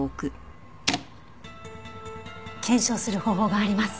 検証する方法があります。